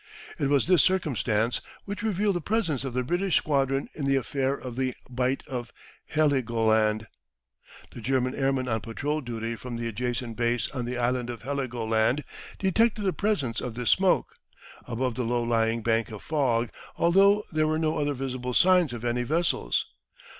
It was this circumstance which revealed the presence of the British squadron in the affair of the Bight of Heligoland. The German airman on patrol duty from the adjacent base on the island of Heligoland detected the presence of this smoke, above the low lying bank of fog, although there were no other visible signs of any vessels.